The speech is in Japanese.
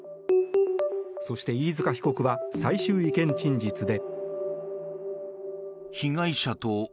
そして飯塚被告は最終意見陳述で。